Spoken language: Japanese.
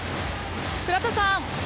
倉田さん